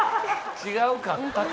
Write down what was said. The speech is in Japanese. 違うかったか。